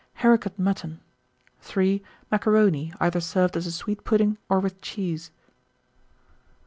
Haricot mutton. 3. Macaroni, either served as a sweet pudding or with cheese.